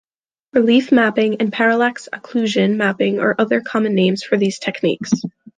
Relief mapping and parallax occlusion mapping are other common names for these techniques.